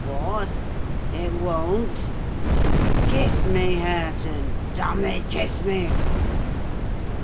What! it won't? Kiss me, Hareton! Damn thee, kiss me!